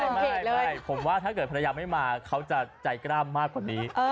ไม่ผมว่าถ้าเกิดภรรยาไม่มาเขาจะใจกล้ามมากกว่านี้